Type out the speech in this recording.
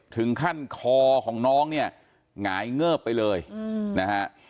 คอของน้องเนี่ยหงายเงิบไปเลยนะฮะ